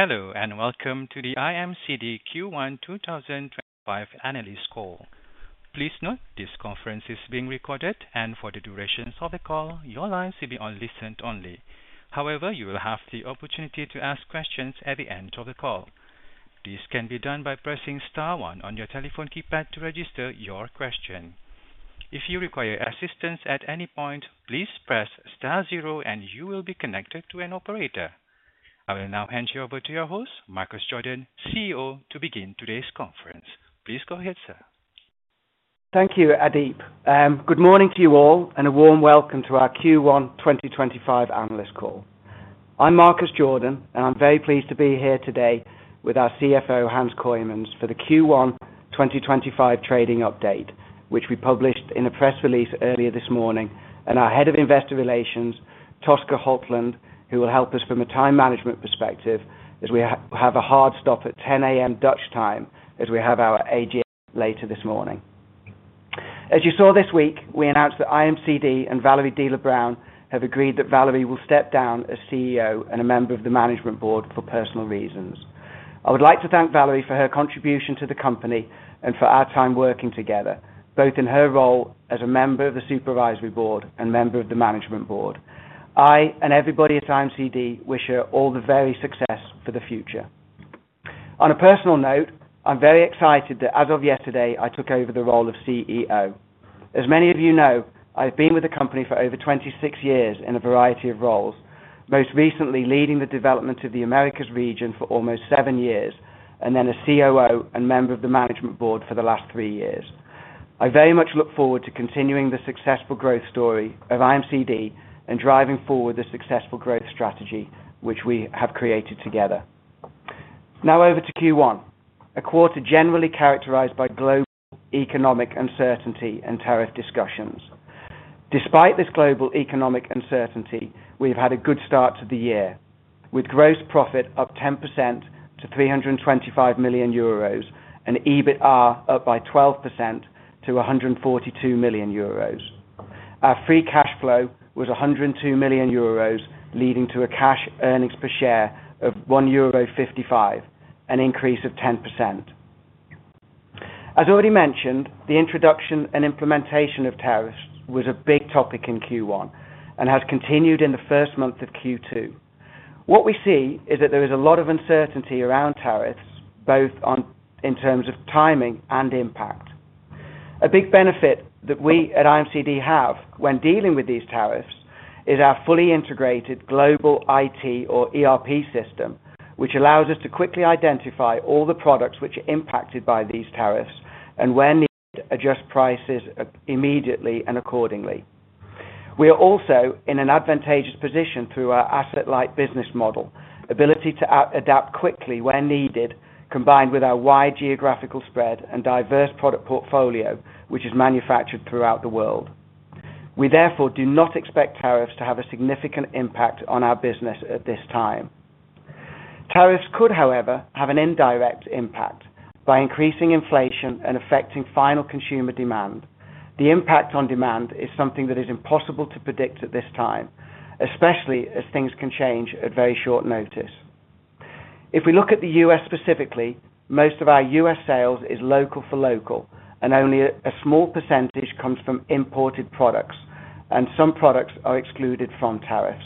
Hello and welcome to the IMCD Q1 2025 analyst call. Please note this conference is being recorded, and for the duration of the call, your line should be on listen only. However, you will have the opportunity to ask questions at the end of the call. This can be done by pressing star one on your telephone keypad to register your question. If you require assistance at any point, please press star zero, and you will be connected to an operator. I will now hand you over to your host, Marcus Jordan, CEO, to begin today's conference. Please go ahead, sir. Thank you, Adeep. Good morning to you all, and a warm welcome to our Q1 2025 analyst call. I'm Marcus Jordan, and I'm very pleased to be here today with our CFO, Hans Kooijmans, for the Q1 2025 trading update, which we published in a press release earlier this morning, and our Head of Investor Relations, Tosca Holtland, who will help us from a time management perspective as we have a hard stop at 10:00 A.M. Dutch time as we have our AGM later this morning. As you saw this week, we announced that IMCD and Valerie Diele-Braun have agreed that Valerie will step down as CEO and a member of the Management Board for personal reasons. I would like to thank Valerie for her contribution to the company and for our time working together, both in her role as a member of the Supervisory Board and member of the Management Board. I and everybody at IMCD wish her all the very success for the future. On a personal note, I'm very excited that as of yesterday, I took over the role of CEO. As many of you know, I've been with the company for over 26 years in a variety of roles, most recently leading the development of the Americas region for almost seven years, and then a COO and member of the Management Board for the last three years. I very much look forward to continuing the successful growth story of IMCD and driving forward the successful growth strategy which we have created together. Now over to Q1, a quarter generally characterized by global economic uncertainty and tariff discussions. Despite this global economic uncertainty, we have had a good start to the year with gross profit up 10% to 325 million euros and EBITA up by 12% to 142 million euros. Our free cash flow was 102 million euros, leading to a cash earnings per share of 1.55 euro, an increase of 10%. As already mentioned, the introduction and implementation of tariffs was a big topic in Q1 and has continued in the first month of Q2. What we see is that there is a lot of uncertainty around tariffs, both in terms of timing and impact. A big benefit that we at IMCD have when dealing with these tariffs is our fully integrated global IT or ERP system, which allows us to quickly identify all the products which are impacted by these tariffs and, where needed, adjust prices immediately and accordingly. We are also in an advantageous position through our asset-light business model, ability to adapt quickly when needed, combined with our wide geographical spread and diverse product portfolio, which is manufactured throughout the world. We therefore do not expect tariffs to have a significant impact on our business at this time. Tariffs could, however, have an indirect impact by increasing inflation and affecting final consumer demand. The impact on demand is something that is impossible to predict at this time, especially as things can change at very short notice. If we look at the U.S. specifically, most of our U.S. sales is local for local, and only a small percentage comes from imported products, and some products are excluded from tariffs.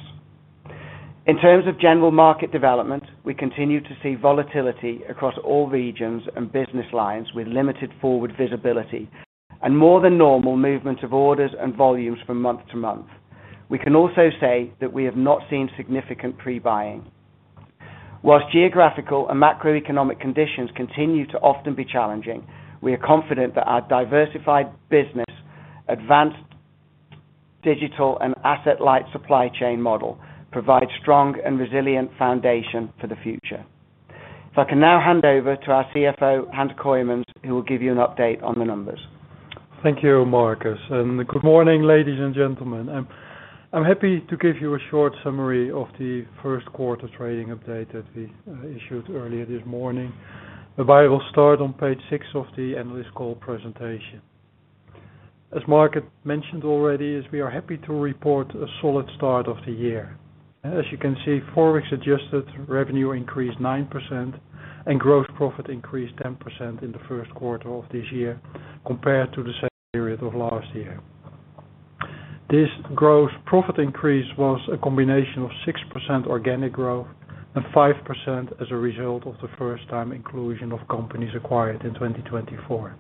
In terms of general market development, we continue to see volatility across all regions and business lines with limited forward visibility and more than normal movement of orders and volumes from month to month. We can also say that we have not seen significant pre-buying. Whilst geographical and macroeconomic conditions continue to often be challenging, we are confident that our diversified business, advanced digital, and asset-light supply chain model provide a strong and resilient foundation for the future. If I can now hand over to our CFO, Hans Kooijmans, who will give you an update on the numbers. Thank you, Marcus. Good morning, ladies and gentlemen. I'm happy to give you a short summary of the first quarter trading update that we issued earlier this morning. I will start on page six of the analyst call presentation. As Marcus mentioned already, we are happy to report a solid start of the year. As you can see, forex adjusted, revenue increased 9%, and gross profit increased 10% in the first quarter of this year compared to the same period of last year. This gross profit increase was a combination of 6% organic growth and 5% as a result of the first-time inclusion of companies acquired in 2024.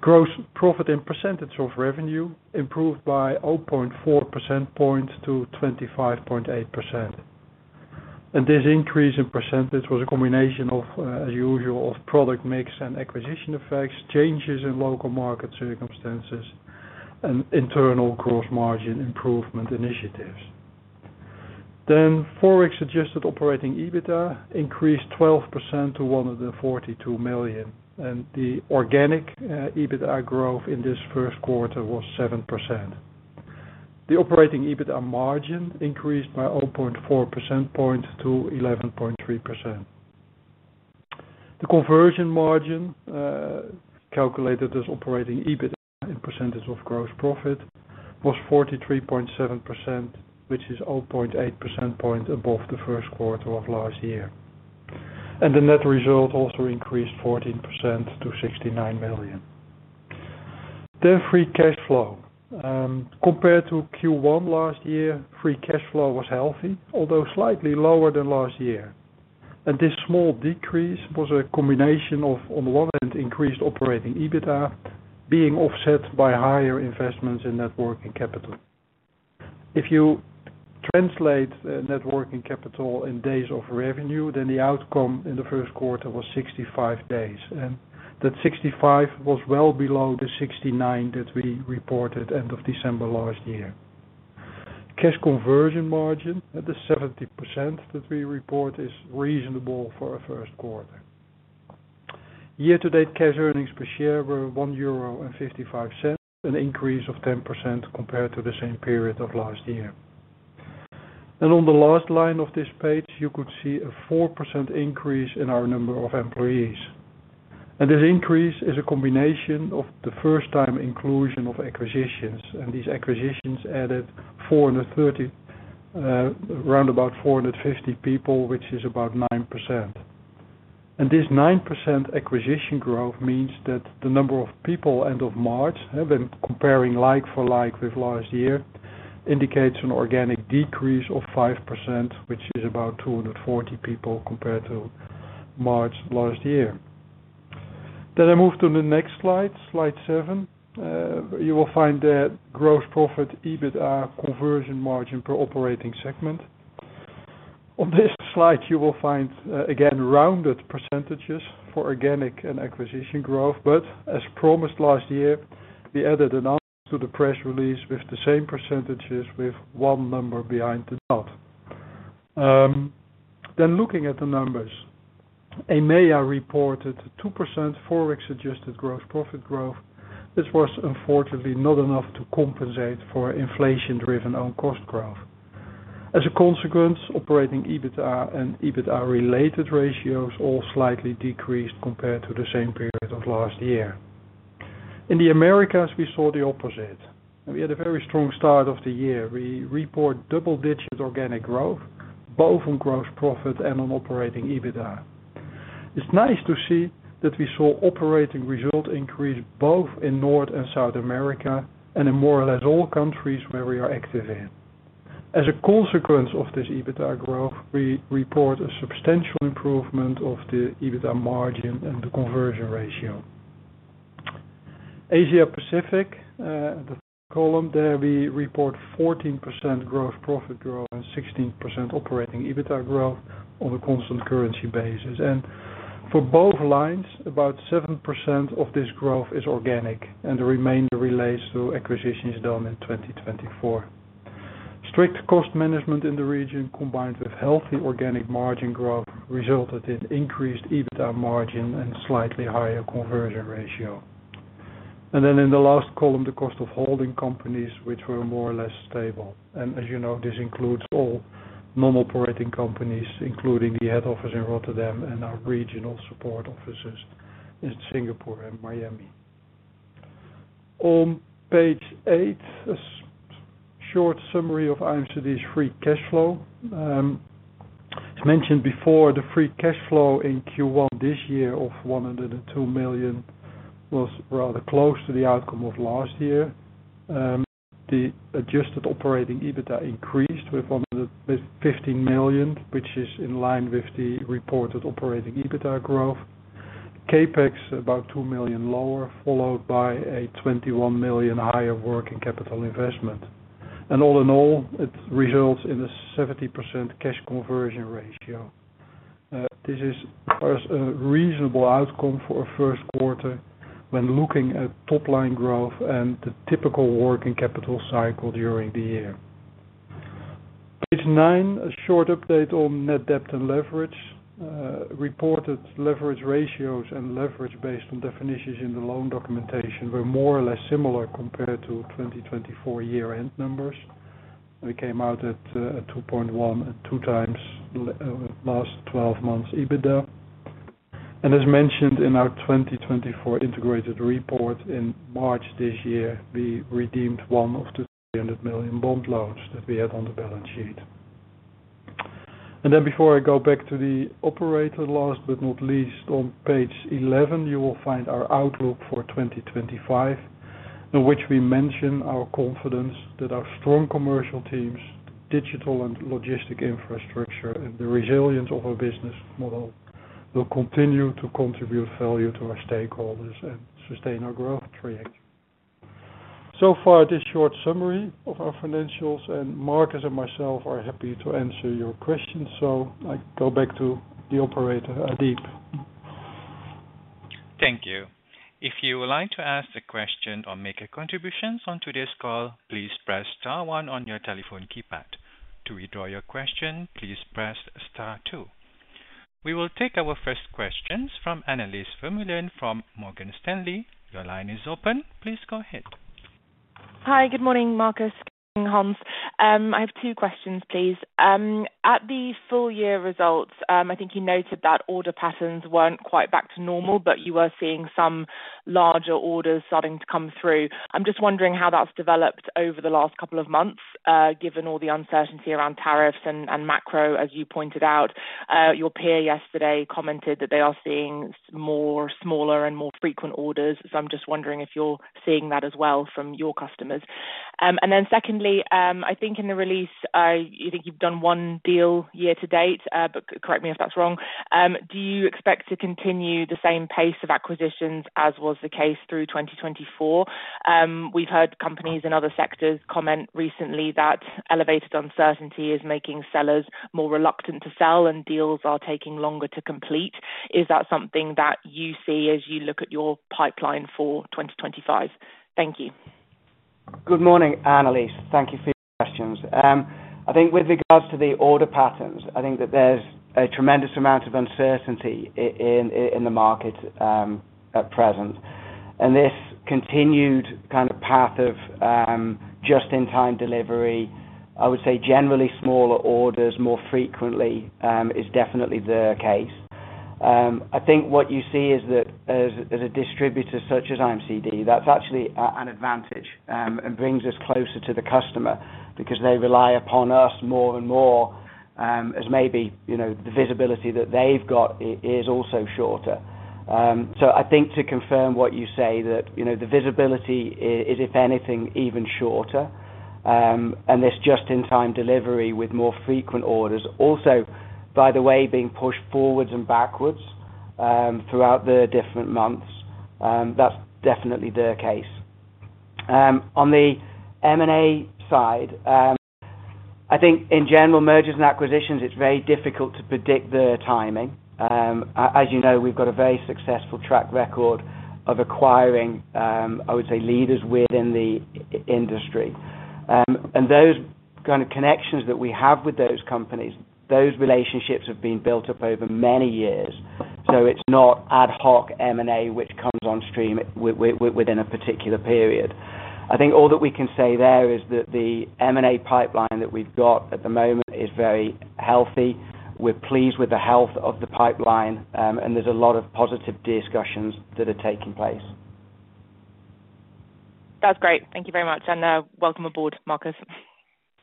Gross profit in percentage of revenue improved by 0.4 percentage points to 25.8%. This increase in percentage was a combination of, as usual, product mix and acquisition effects, changes in local market circumstances, and internal gross margin improvement initiatives. Forex adjusted operating EBITA increased 12% to 142 million, and the organic EBITA growth in this first quarter was 7%. The operating EBITA margin increased by 0.4 percentage points to 11.3%. The conversion margin, calculated as operating EBITA in percentage of gross profit, was 43.7%, which is 0.8 percentage points above the first quarter of last year. The net result also increased 14% to 69 million. Free cash flow, compared to Q1 last year, was healthy, although slightly lower than last year. This small decrease was a combination of, on the one hand, increased operating EBITA being offset by higher investments in working capital. If you translate net working capital in days of revenue, then the outcome in the first quarter was 65 days, and that 65 was well below the 69 that we reported at the end of December last year. Cash conversion margin at the 70% that we report is reasonable for a first quarter. Year-to-date cash earnings per share were 1.55 euro, an increase of 10% compared to the same period of last year. On the last line of this page, you could see a 4% increase in our number of employees. This increase is a combination of the first-time inclusion of acquisitions, and these acquisitions added around about 450 people, which is about 9%. This 9% acquisition growth means that the number of people end of March, when comparing like for like with last year, indicates an organic decrease of 5%, which is about 240 people compared to March last year. I move to the next slide, slide seven. You will find the gross profit EBITA conversion margin per operating segment. On this slide, you will find, again, rounded percentages for organic and acquisition growth, but as promised last year, we added another to the press release with the same percentages, with one number behind the dot. Looking at the numbers, EMEA reported 2% forex adjusted gross profit growth. This was, unfortunately, not enough to compensate for inflation-driven own-cost growth. As a consequence, operating EBITA and EBITA-related ratios all slightly decreased compared to the same period of last year. In the Americas, we saw the opposite. We had a very strong start of the year. We report double-digit organic growth, both on gross profit and on operating EBITA. It's nice to see that we saw operating result increase both in North and South America and in more or less all countries where we are active in. As a consequence of this EBITA growth, we report a substantial improvement of the EBITA margin and the conversion ratio. Asia Pacific, the column there, we report 14% gross profit growth and 16% operating EBITA growth on a constant currency basis. For both lines, about 7% of this growth is organic, and the remainder relates to acquisitions done in 2024. Strict cost management in the region, combined with healthy organic margin growth, resulted in increased EBITA margin and slightly higher conversion ratio. In the last column, the cost of holding companies, which were more or less stable. As you know, this includes all non-operating companies, including the head office in Rotterdam and our regional support offices in Singapore and Miami. On page eight, a short summary of IMCD's free cash flow. As mentioned before, the free cash flow in Q1 this year of 102 million was rather close to the outcome of last year. The adjusted operating EBITDA increased with 15 million, which is in line with the reported operating EBITDA growth. CapEx about 2 million lower, followed by a 21 million higher working capital investment. All in all, it results in a 70% cash conversion ratio. This is a reasonable outcome for a first quarter when looking at top-line growth and the typical working capital cycle during the year. Page nine, a short update on net debt and leverage. Reported leverage ratios and leverage based on definitions in the loan documentation were more or less similar compared to 2024 year-end numbers. We came out at 2.1x and 2x last 12 months EBITDA. As mentioned in our 2024 integrated report in March this year, we redeemed one of the 300 million bond loans that we had on the balance sheet. Before I go back to the operator, last but not least, on page 11, you will find our outlook for 2025, in which we mention our confidence that our strong commercial teams, digital and logistic infrastructure, and the resilience of our business model will continue to contribute value to our stakeholders and sustain our growth trajectory. This is the short summary of our financials, and Marcus and myself are happy to answer your questions. I go back to the operator, Adeep. Thank you. If you would like to ask a question or make a contribution on today's call, please press star one on your telephone keypad. To withdraw your question, please press star two. We will take our first questions from Annelies Vermeulen from Morgan Stanley. Your line is open. Please go ahead. Hi, good morning, Marcus and Hans. I have two questions, please. At the full year results, I think you noted that order patterns were not quite back to normal, but you were seeing some larger orders starting to come through. I am just wondering how that has developed over the last couple of months, given all the uncertainty around tariffs and macro, as you pointed out. Your peer yesterday commented that they are seeing more smaller and more frequent orders, so I am just wondering if you are seeing that as well from your customers. Secondly, I think in the release, you think you have done one deal year to date, but correct me if that is wrong. Do you expect to continue the same pace of acquisitions as was the case through 2024? We've heard companies in other sectors comment recently that elevated uncertainty is making sellers more reluctant to sell, and deals are taking longer to complete. Is that something that you see as you look at your pipeline for 2025? Thank you. Good morning, Annelies. Thank you for your questions. I think with regards to the order patterns, I think that there's a tremendous amount of uncertainty in the market at present. This continued kind of path of just-in-time delivery, I would say generally smaller orders more frequently is definitely the case. I think what you see is that as a distributor such as IMCD, that's actually an advantage and brings us closer to the customer because they rely upon us more and more, as maybe the visibility that they've got is also shorter. I think to confirm what you say, that the visibility is, if anything, even shorter, and this just-in-time delivery with more frequent orders also, by the way, being pushed forwards and backwards throughout the different months, that's definitely the case. On the M&A side, I think in general, mergers and acquisitions, it's very difficult to predict the timing. As you know, we've got a very successful track record of acquiring, I would say, leaders within the industry. Those kind of connections that we have with those companies, those relationships have been built up over many years. It is not ad hoc M&A which comes on stream within a particular period. I think all that we can say there is that the M&A pipeline that we've got at the moment is very healthy. We're pleased with the health of the pipeline, and there's a lot of positive discussions that are taking place. That's great. Thank you very much. Welcome aboard, Marcus.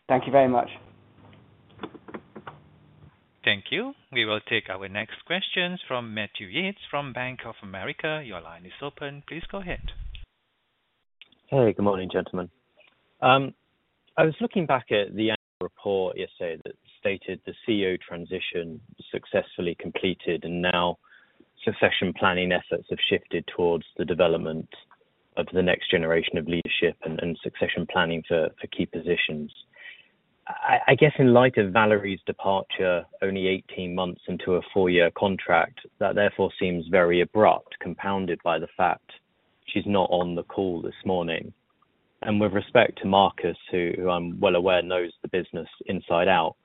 Thank you very much. Thank you. We will take our next questions from Matthew Yates from Bank of America. Your line is open. Please go ahead. Hey, good morning, gentlemen. I was looking back at the annual report yesterday that stated the CEO transition successfully completed, and now succession planning efforts have shifted towards the development of the next generation of leadership and succession planning for key positions. I guess in light of Valerie's departure, only 18 months into a four-year contract, that therefore seems very abrupt, compounded by the fact she's not on the call this morning. With respect to Marcus, who I'm well aware knows the business inside out,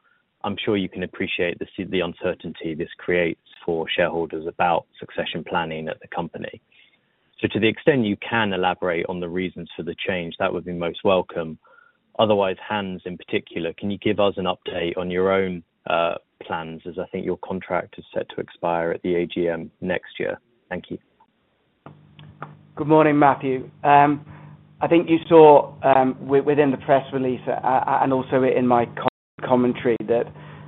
I'm sure you can appreciate the uncertainty this creates for shareholders about succession planning at the company. To the extent you can elaborate on the reasons for the change, that would be most welcome. Otherwise, Hans, in particular, can you give us an update on your own plans as I think your contract is set to expire at the AGM next year? Thank you. Good morning, Matthew. I think you saw within the press release and also in my commentary that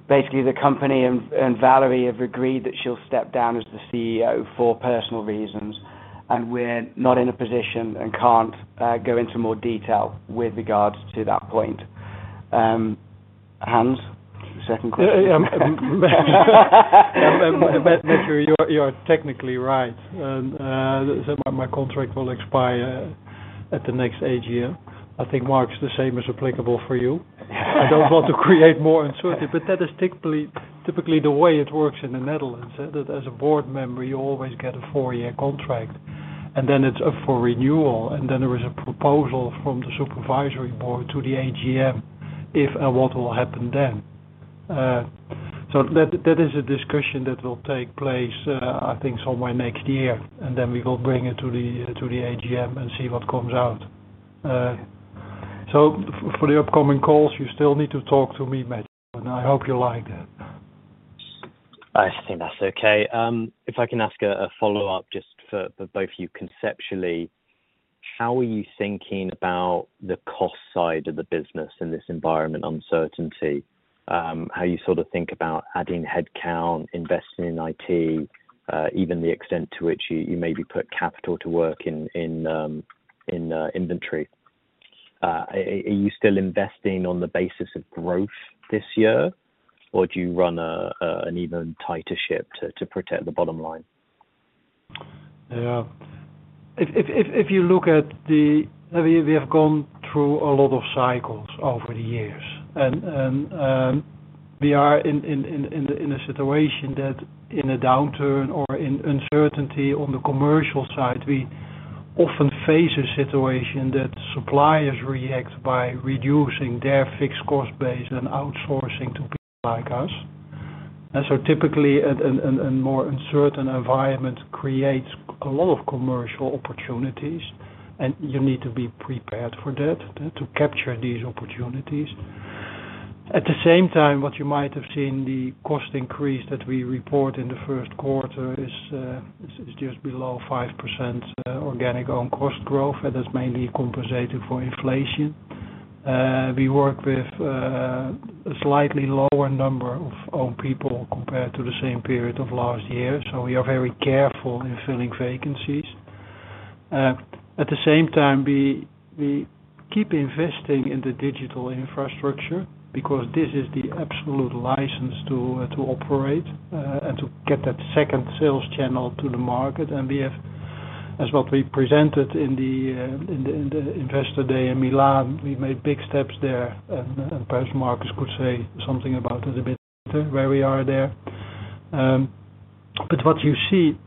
basically the company and Valerie have agreed that she'll step down as the CEO for personal reasons, and we're not in a position and can't go into more detail with regards to that point. Hans, second question. Matthew, you're technically right. My contract will expire at the next AGM. I think Marcus the same is applicable for you. I don't want to create more uncertainty, but that is typically the way it works in the Netherlands. As a board member, you always get a four-year contract, and then it's up for renewal, and then there is a proposal from the supervisory board to the AGM if and what will happen then. That is a discussion that will take place, I think, somewhere next year, and then we will bring it to the AGM and see what comes out. For the upcoming calls, you still need to talk to me, Matthew, and I hope you like that. I think that's okay. If I can ask a follow-up just for both of you, conceptually, how are you thinking about the cost side of the business in this environment of uncertainty? How you sort of think about adding headcount, investing in IT, even the extent to which you maybe put capital to work in inventory. Are you still investing on the basis of growth this year, or do you run an even tighter ship to protect the bottom line? Yeah. If you look at the we have gone through a lot of cycles over the years, and we are in a situation that in a downturn or in uncertainty on the commercial side, we often face a situation that suppliers react by reducing their fixed cost base and outsourcing to people like us. Typically, a more uncertain environment creates a lot of commercial opportunities, and you need to be prepared for that to capture these opportunities. At the same time, what you might have seen, the cost increase that we report in the first quarter is just below 5% organic own cost growth, and that's mainly compensated for inflation. We work with a slightly lower number of own people compared to the same period of last year, so we are very careful in filling vacancies. At the same time, we keep investing in the digital infrastructure because this is the absolute license to operate and to get that second sales channel to the market. We have, as what we presented in the Investor Day in Milan, made big steps there, and perhaps Marcus could say something about it a bit later, where we are there. What you see,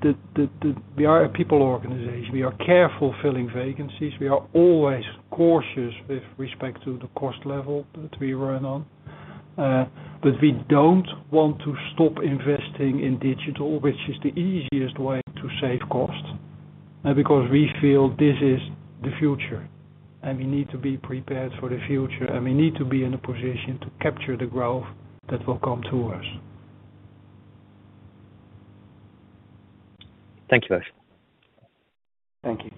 we are a people organization. We are careful filling vacancies. We are always cautious with respect to the cost level that we run on. We do not want to stop investing in digital, which is the easiest way to save cost, because we feel this is the future, and we need to be prepared for the future, and we need to be in a position to capture the growth that will come to us. Thank you both. Thank you.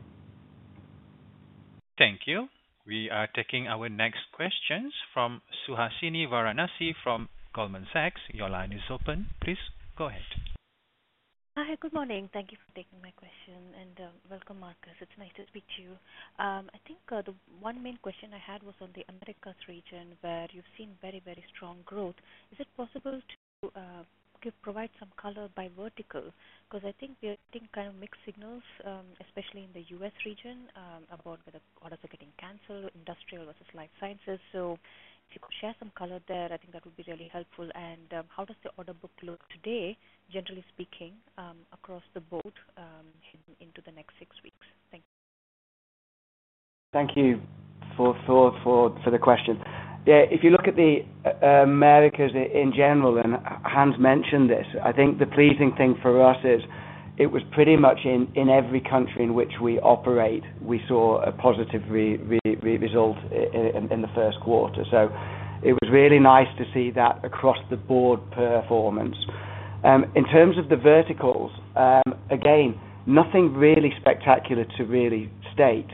Thank you. We are taking our next questions from Suhasini Varanasi from Goldman Sachs. Your line is open. Please go ahead. Hi, good morning. Thank you for taking my question, and welcome, Marcus. It's nice to speak to you. I think the one main question I had was on the Americas region, where you've seen very, very strong growth. Is it possible to provide some color by vertical? Because I think we're getting kind of mixed signals, especially in the U.S. region, about whether orders are getting canceled, industrial versus life sciences. If you could share some color there, I think that would be really helpful. How does the order book look today, generally speaking, across the board into the next six weeks? Thank you. Thank you for the question. Yeah, if you look at the Americas in general, and Hans mentioned this, I think the pleasing thing for us is it was pretty much in every country in which we operate, we saw a positive result in the first quarter. It was really nice to see that across the board performance. In terms of the verticals, again, nothing really spectacular to really state.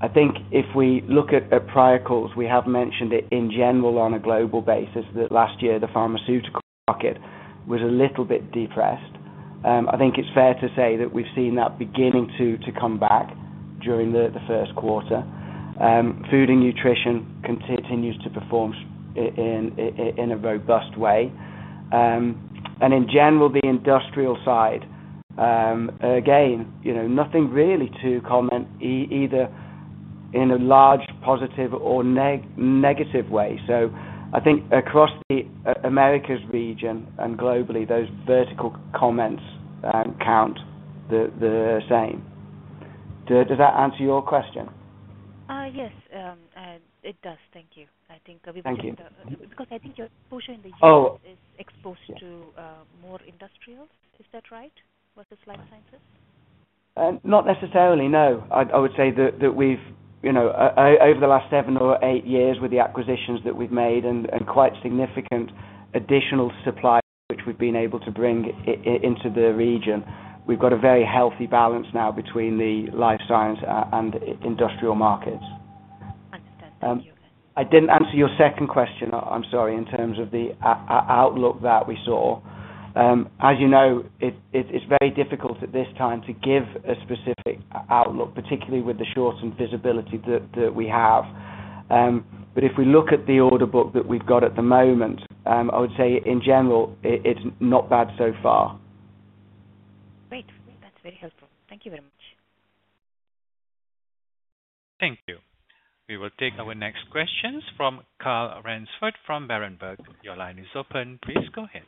I think if we look at prior calls, we have mentioned it in general on a global basis that last year the pharmaceutical market was a little bit depressed. I think it's fair to say that we've seen that beginning to come back during the first quarter. Food and nutrition continues to perform in a robust way. In general, the industrial side, again, nothing really to comment either in a large positive or negative way. I think across the Americas region and globally, those vertical comments count the same. Does that answer your question? Yes, it does. Thank you. I think we've got. Because I think your portion in the U.S. is exposed to more industrial. Is that right versus life sciences? Not necessarily, no. I would say that we've, over the last seven or eight years with the acquisitions that we've made and quite significant additional supply which we've been able to bring into the region, we've got a very healthy balance now between the life science and industrial markets. Understand. Thank you. I did not answer your second question, I am sorry, in terms of the outlook that we saw. As you know, it is very difficult at this time to give a specific outlook, particularly with the short-term visibility that we have. If we look at the order book that we have at the moment, I would say in general, it is not bad so far. Great. That's very helpful. Thank you very much. Thank you. We will take our next questions from Carl Raynsford from Berenberg. Your line is open. Please go ahead.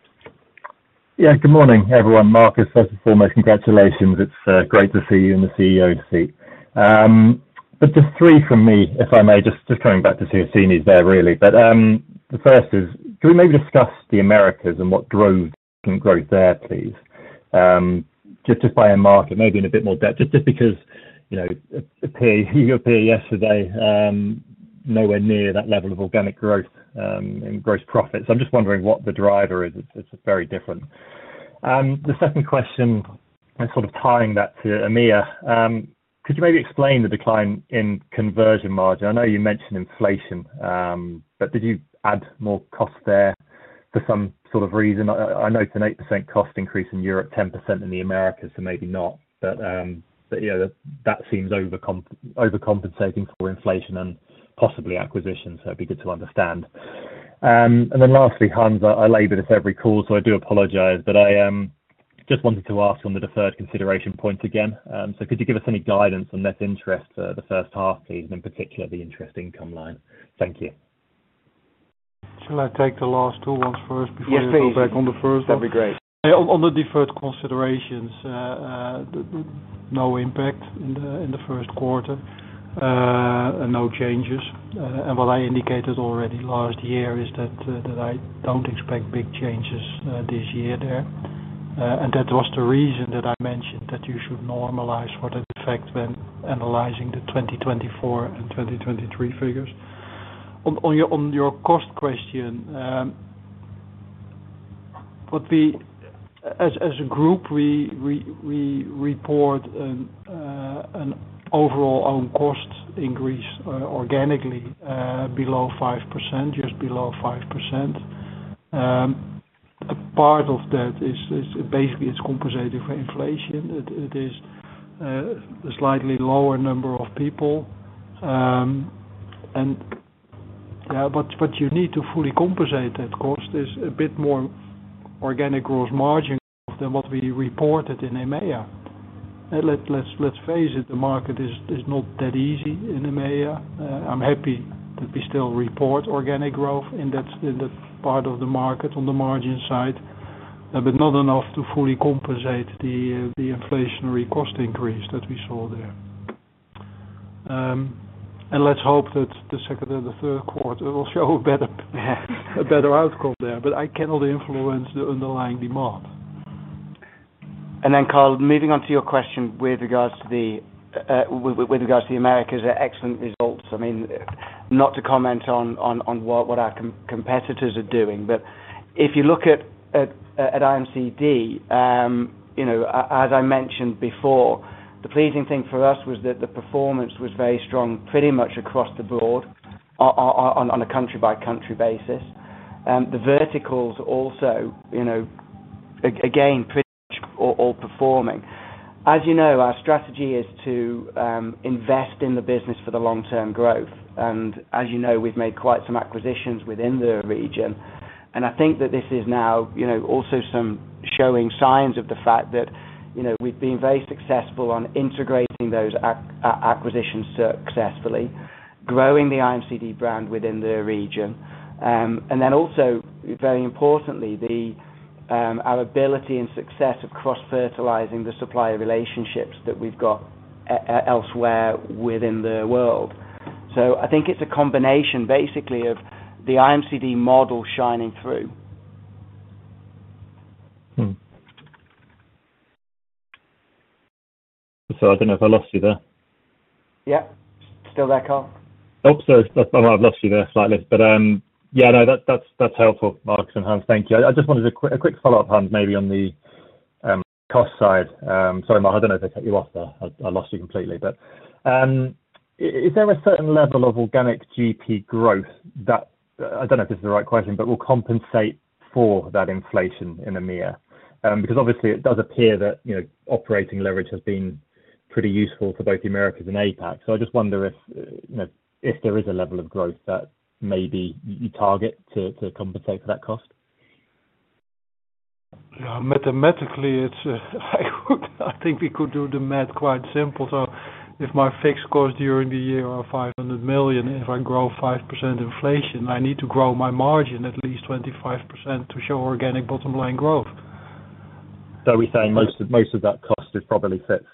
Yeah, good morning, everyone. Marcus, first and foremost, congratulations. It's great to see you and the CEO to see. Just three from me, if I may, just coming back to Suhasini's there, really. The first is, can we maybe discuss the Americas and what drove the organic growth there, please? Just by a market, maybe in a bit more depth, just because you appeared yesterday nowhere near that level of organic growth in gross profits. I'm just wondering what the driver is. It's very different. The second question, sort of tying that to EMEA, could you maybe explain the decline in conversion margin? I know you mentioned inflation, but did you add more cost there for some sort of reason? I know it's an 8% cost increase in Europe, 10% in the Americas, so maybe not. Yeah, that seems overcompensating for inflation and possibly acquisitions, so it'd be good to understand. Lastly, Hans, I label this every call, so I do apologize, but I just wanted to ask on the deferred consideration points again. Could you give us any guidance on net interest for the first half, please, and in particular the interest income line? Thank you. Shall I take the last two ones first before you go back on the first? Yes, please. That'd be great. On the deferred considerations, no impact in the first quarter and no changes. What I indicated already last year is that I don't expect big changes this year there. That was the reason that I mentioned that you should normalize for that effect when analyzing the 2024 and 2023 figures. On your cost question, as a group, we report an overall owned cost increase organically below 5%, just below 5%. A part of that is basically it's compensated for inflation. It is a slightly lower number of people. Yeah, but you need to fully compensate that cost. There's a bit more organic gross margin growth than what we reported in EMEA. Let's face it, the market is not that easy in EMEA. I'm happy that we still report organic growth in that part of the market on the margin side, but not enough to fully compensate the inflationary cost increase that we saw there. Let's hope that the second and the third quarter will show a better outcome there, but I cannot influence the underlying demand. Carl, moving on to your question with regards to the Americas' excellent results. I mean, not to comment on what our competitors are doing, but if you look at IMCD, as I mentioned before, the pleasing thing for us was that the performance was very strong pretty much across the board on a country-by-country basis. The verticals also, again, pretty much all performing. As you know, our strategy is to invest in the business for the long-term growth. As you know, we've made quite some acquisitions within the region. I think that this is now also showing signs of the fact that we've been very successful on integrating those acquisitions successfully, growing the IMCD brand within the region, and then also, very importantly, our ability and success of cross-fertilizing the supplier relationships that we've got elsewhere within the world. I think it's a combination basically of the IMCD model shining through. Sorry, I don't know if I lost you there. Yeah. Still there, Carl? Oh, sorry. I have lost you there slightly. Yeah, no, that is helpful, Marcus and Hans. Thank you. I just wanted a quick follow-up, Hans, maybe on the cost side. Sorry, Marcus, I do not know if I cut you off there. I lost you completely. Is there a certain level of organic GP growth that, I do not know if this is the right question, will compensate for that inflation in EMEA? Obviously, it does appear that operating leverage has been pretty useful for both the Americas and APAC. I just wonder if there is a level of growth that maybe you target to compensate for that cost. Yeah, mathematically, I think we could do the math quite simple. If my fixed cost during the year are 500 million, if I grow 5% inflation, I need to grow my margin at least 25% to show organic bottom line growth. Are we saying most of that cost is probably fixed?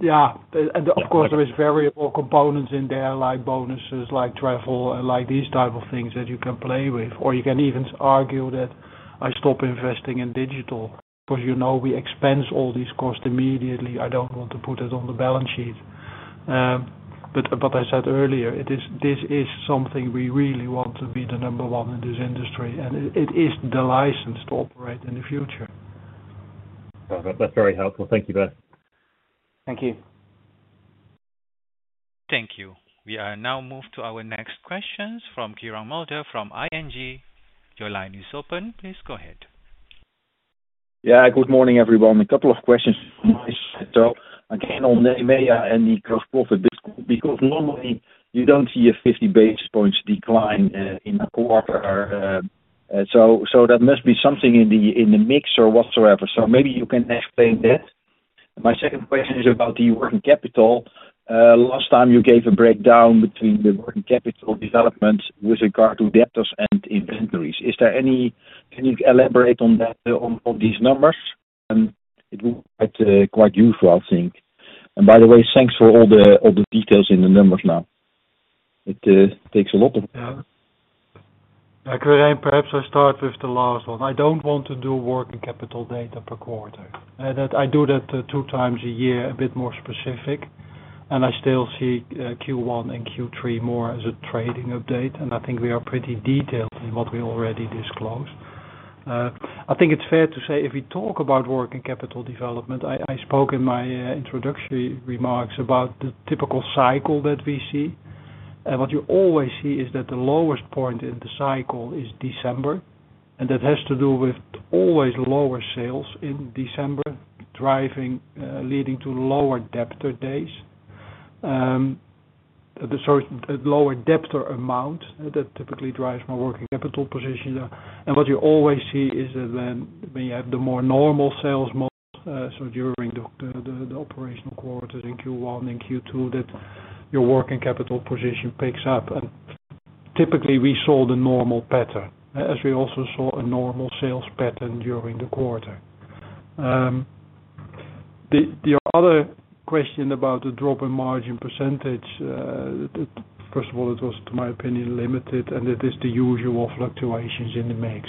Yeah. Of course, there are variable components in there like bonuses, like travel, and like these type of things that you can play with. You can even argue that I stop investing in digital because we expense all these costs immediately. I do not want to put it on the balance sheet. As I said earlier, this is something we really want to be the number one in this industry, and it is the license to operate in the future. That's very helpful. Thank you both. Thank you. Thank you. We are now moved to our next questions from Quirijn Mulder from ING. Your line is open. Please go ahead. Yeah, good morning, everyone. A couple of questions. Again, on the EMEA and the gross profit because normally you do not see a 50 basis points decline in a quarter. That must be something in the mix or whatsoever. Maybe you can explain that. My second question is about the working capital. Last time, you gave a breakdown between the working capital development with regard to debtors and inventories. Is there any elaborate on that on these numbers? It will be quite useful, I think. By the way, thanks for all the details in the numbers now. It takes a lot of. I can perhaps start with the last one. I do not want to do working capital data per quarter. I do that two times a year, a bit more specific. I still see Q1 and Q3 more as a trading update. I think we are pretty detailed in what we already disclosed. I think it is fair to say if we talk about working capital development, I spoke in my introductory remarks about the typical cycle that we see. What you always see is that the lowest point in the cycle is December. That has to do with always lower sales in December, leading to lower debtor days. Lower debtor amount typically drives my working capital position. What you always see is that when you have the more normal sales model, so during the operational quarters in Q1 and Q2, your working capital position picks up. Typically, we saw the normal pattern, as we also saw a normal sales pattern during the quarter. The other question about the drop in margin percentage, first of all, it was, to my opinion, limited, and it is the usual fluctuations in the mix.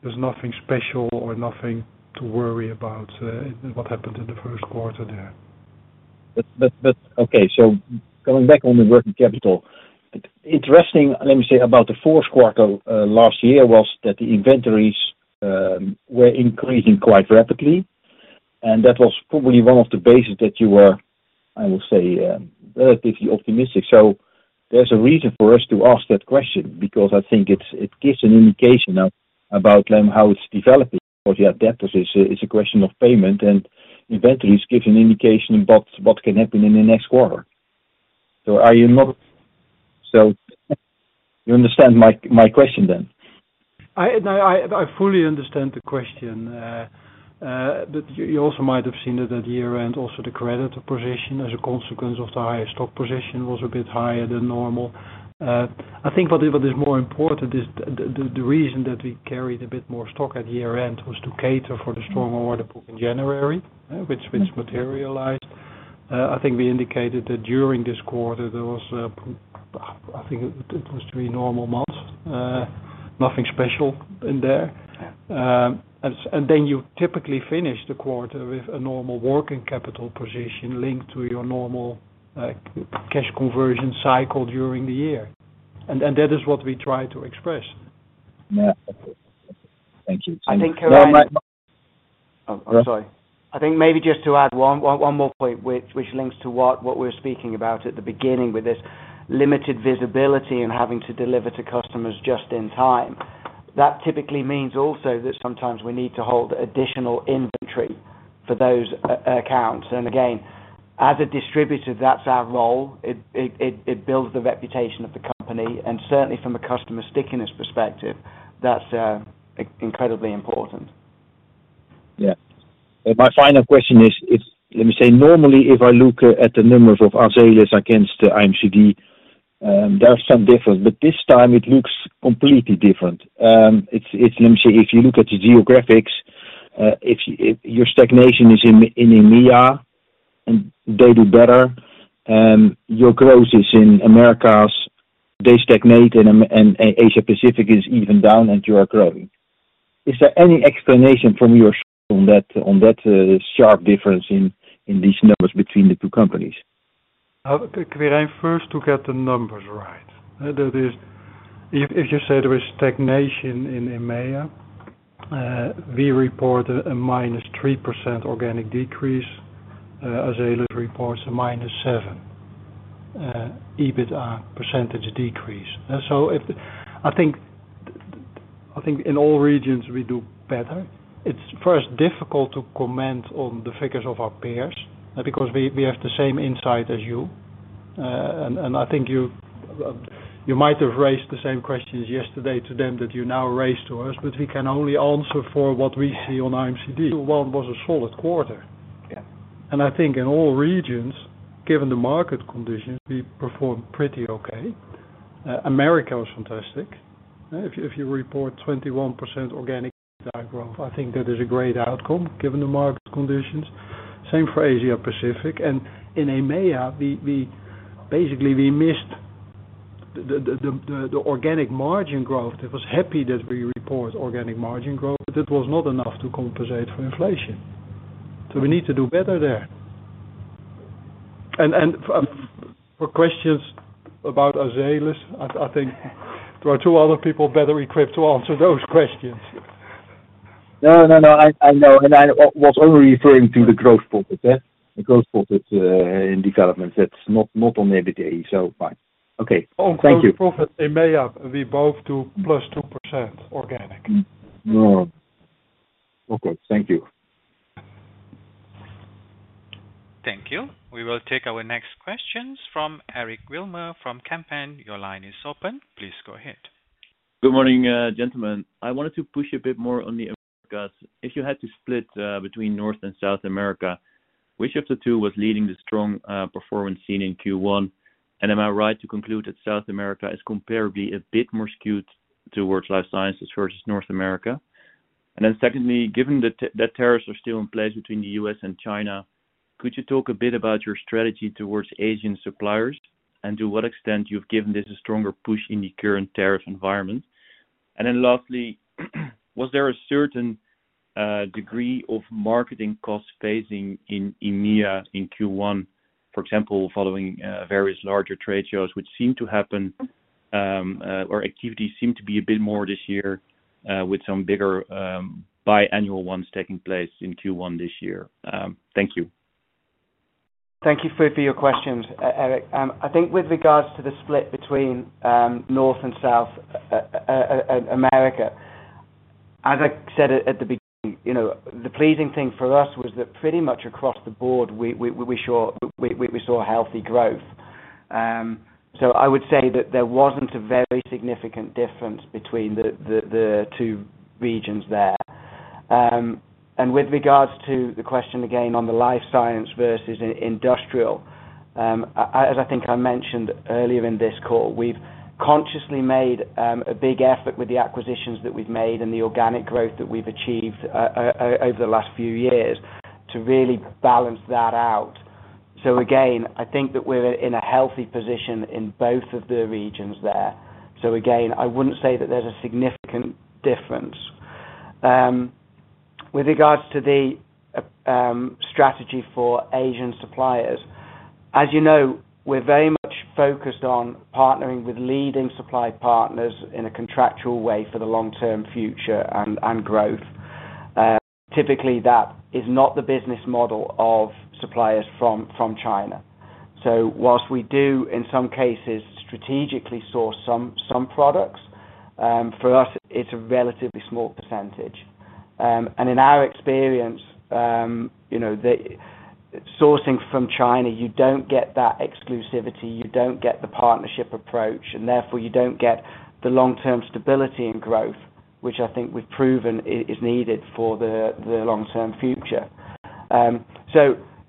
There is nothing special or nothing to worry about what happened in the first quarter there. Okay. Coming back on the working capital, interesting, let me say, about the fourth quarter last year was that the inventories were increasing quite rapidly. That was probably one of the bases that you were, I will say, relatively optimistic. There is a reason for us to ask that question because I think it gives an indication about how it's developing. Of course, yeah, debtors is a question of payment, and inventories gives an indication of what can happen in the next quarter. Are you not, so you understand my question then? No, I fully understand the question. You also might have seen it at year-end, also the creditor position as a consequence of the higher stock position was a bit higher than normal. I think what is more important is the reason that we carried a bit more stock at year-end was to cater for the strong order book in January, which materialized. I think we indicated that during this quarter, there was, I think it was three normal months, nothing special in there. You typically finish the quarter with a normal working capital position linked to your normal cash conversion cycle during the year. That is what we try to express. I think maybe just to add one more point, which links to what we were speaking about at the beginning with this limited visibility and having to deliver to customers just in time. That typically means also that sometimes we need to hold additional inventory for those accounts. Again, as a distributor, that's our role. It builds the reputation of the company. Certainly, from a customer stickiness perspective, that's incredibly important. Yeah. My final question is, let me say, normally, if I look at the numbers of Azelis against IMCD, there are some differences. This time, it looks completely different. Let me say, if you look at the geographics, your stagnation is in EMEA, and they do better. Your growth is in Americas. They stagnate, and Asia Pacific is even down, and you are growing. Is there any explanation from your shop on that sharp difference in these numbers between the two companies? I'd like to get the numbers right. That is, if you say there is stagnation in EMEA, we report a -3% organic decrease. Azelis reports a -7% EBITA percentage decrease. I think in all regions, we do better. It's first difficult to comment on the figures of our peers because we have the same insight as you. I think you might have raised the same questions yesterday to them that you now raised to us, but we can only answer for what we see on IMCD. Q1 was a solid quarter. I think in all regions, given the market conditions, we performed pretty okay. America was fantastic. If you report 21% organic EBITDA growth, I think that is a great outcome given the market conditions. Same for Asia Pacific. In EMEA, basically, we missed the organic margin growth. It was happy that we report organic margin growth, but it was not enough to compensate for inflation. We need to do better there. For questions about Azelis, I think there are two other people better equipped to answer those questions. No, no, no. I know. I was only referring to the gross profit, the gross profit in development. That's not on EBITDA, so fine. Okay. Thank you. On gross profit in EMEA, we both do +2% organic. Okay. Thank you. Thank you. We will take our next questions from Eric Wilmer from Kempen. Your line is open. Please go ahead. Good morning, gentlemen. I wanted to push a bit more on the Americas. If you had to split between North and South America, which of the two was leading the strong performance seen in Q1? Am I right to conclude that South America is comparably a bit more skewed towards life sciences versus North America? Secondly, given that tariffs are still in place between the U.S. and China, could you talk a bit about your strategy towards Asian suppliers and to what extent you've given this a stronger push in the current tariff environment? Lastly, was there a certain degree of marketing cost phasing in EMEA in Q1, for example, following various larger trade shows, which seemed to happen or activity seemed to be a bit more this year with some bigger biannual ones taking place in Q1 this year? Thank you. Thank you for your questions, Eric. I think with regards to the split between North and South America, as I said at the beginning, the pleasing thing for us was that pretty much across the board, we saw healthy growth. I would say that there was not a very significant difference between the two regions there. With regards to the question again on the life science versus industrial, as I think I mentioned earlier in this call, we have consciously made a big effort with the acquisitions that we have made and the organic growth that we have achieved over the last few years to really balance that out. I think that we are in a healthy position in both of the regions there. I would not say that there is a significant difference. With regards to the strategy for Asian suppliers, as you know, we're very much focused on partnering with leading supply partners in a contractual way for the long-term future and growth. Typically, that is not the business model of suppliers from China. Whilst we do, in some cases, strategically source some products, for us, it's a relatively small percentage. In our experience, sourcing from China, you don't get that exclusivity. You don't get the partnership approach. Therefore, you don't get the long-term stability and growth, which I think we've proven is needed for the long-term future.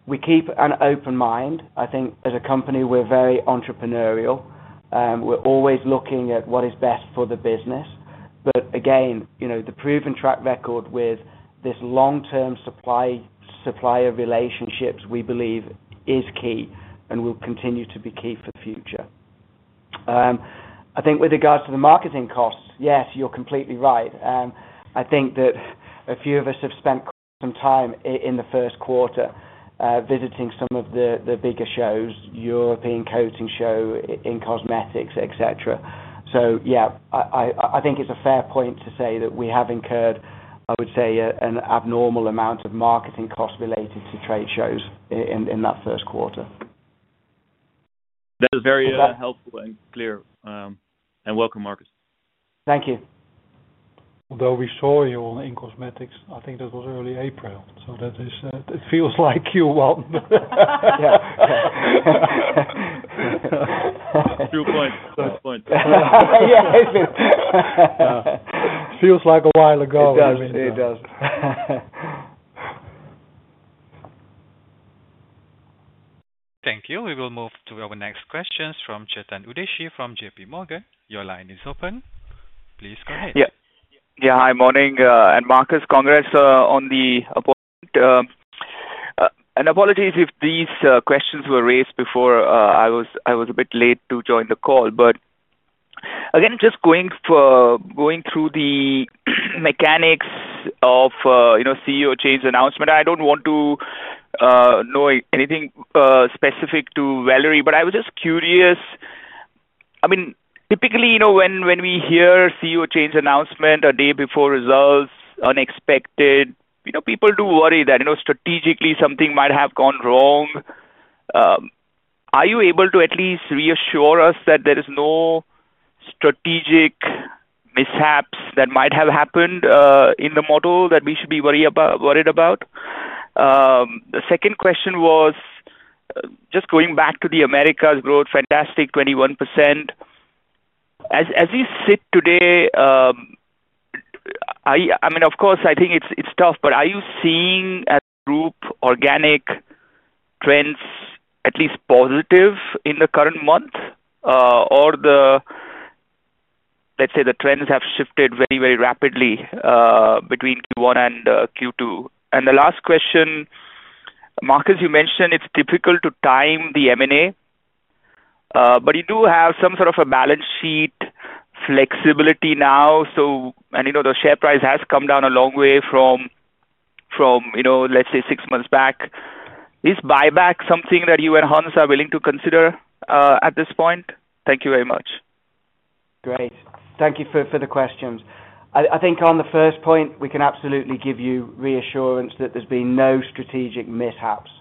We keep an open mind. I think as a company, we're very entrepreneurial. We're always looking at what is best for the business. Again, the proven track record with this long-term supplier relationships, we believe, is key and will continue to be key for the future. I think with regards to the marketing costs, yes, you're completely right. I think that a few of us have spent some time in the first quarter visiting some of the bigger shows, European Coatings Show, in-cosmetics, etc. I think it's a fair point to say that we have incurred, I would say, an abnormal amount of marketing costs related to trade shows in that first quarter. That is very helpful and clear. Welcome, Marcus. Thank you. Although we saw you in-cosmetics, I think that was early April. It feels like Q1. True point. Yeah. Feels like a while ago. It does. It does. Thank you. We will move to our next questions from Chetan Udeshi from JPMorgan. Your line is open. Please go ahead. Yeah. Yeah. Hi, morning. Marcus, congrats on the appointment. Apologies if these questions were raised before. I was a bit late to join the call. Again, just going through the mechanics of CEO change announcement, I don't want to know anything specific to Valerie, but I was just curious. I mean, typically, when we hear CEO change announcement a day before results, unexpected, people do worry that strategically something might have gone wrong. Are you able to at least reassure us that there is no strategic mishaps that might have happened in the model that we should be worried about? The second question was just going back to the Americas growth, fantastic 21%. As we sit today, I mean, of course, I think it's tough, but are you seeing as a group organic trends at least positive in the current month? Let's say the trends have shifted very, very rapidly between Q1 and Q2? The last question, Marcus, you mentioned it's difficult to time the M&A, but you do have some sort of a balance sheet flexibility now. The share price has come down a long way from, let's say, six months back. Is buyback something that you and Hans are willing to consider at this point? Thank you very much. Great. Thank you for the questions. I think on the first point, we can absolutely give you reassurance that there has been no strategic mishaps.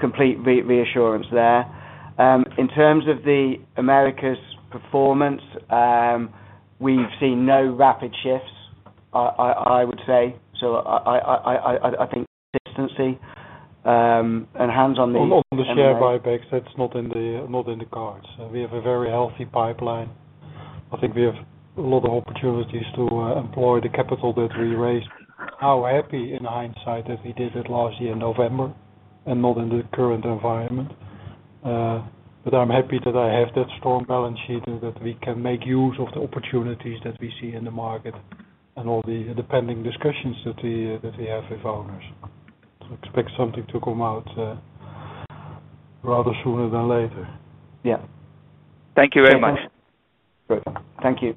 Complete reassurance there. In terms of the Americas performance, we have seen no rapid shifts, I would say. I think consistency and hands on the. On the share buybacks, that's not in the cards. We have a very healthy pipeline. I think we have a lot of opportunities to employ the capital that we raised. How happy in hindsight that we did it last year in November and not in the current environment. I am happy that I have that strong balance sheet and that we can make use of the opportunities that we see in the market and all the pending discussions that we have with owners. Expect something to come out rather sooner than later. Yeah. Thank you very much. Good. Thank you.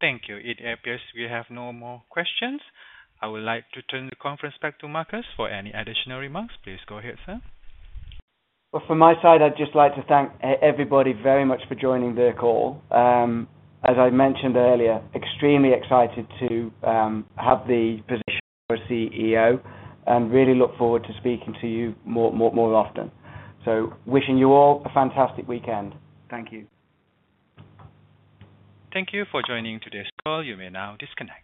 Thank you. It appears we have no more questions. I would like to turn the conference back to Marcus. For any additional remarks, please go ahead, sir. I would just like to thank everybody very much for joining the call. As I mentioned earlier, I am extremely excited to have the position of CEO and really look forward to speaking to you more often. Wishing you all a fantastic weekend. Thank you. Thank you for joining today's call. You may now disconnect.